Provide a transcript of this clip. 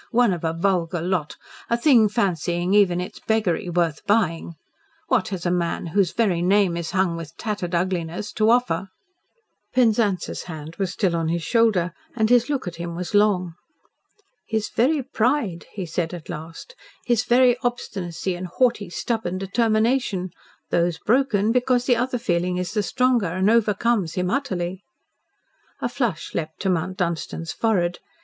"One of a vulgar lot. A thing fancying even its beggary worth buying. What has a man whose very name is hung with tattered ugliness to offer?" Penzance's hand was still on his shoulder and his look at him was long. "His very pride," he said at last, "his very obstinacy and haughty, stubborn determination. Those broken because the other feeling is the stronger and overcomes him utterly." A flush leaped to Mount Dunstan's forehead.